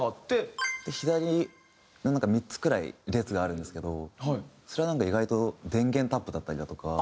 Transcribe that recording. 左になんか３つくらい列があるんですけどそれはなんか意外と電源タップだったりだとか。